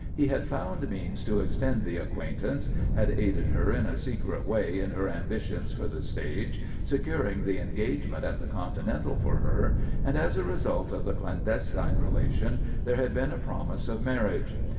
He had found means to extend the acquaintance, had aided her in a secret way in her ambitions for the stage, securing the engagement at the Continental for her, and as a result of the clandestine relation there had been a promise of marriage.